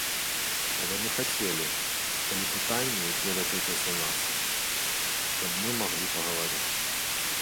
Але мы хацелі, калі пытанні, якія датычацца нас, каб мы маглі пагаварыць.